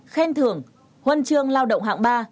khen thưởng huân trường lao động hạng ba